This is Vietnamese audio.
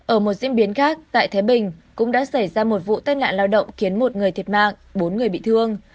ở một diễn biến khác tại thái bình cũng đã xảy ra một vụ tai nạn lao động khiến một người thiệt mạng bốn người bị thương